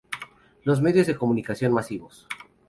Los medios de comunicación masivos.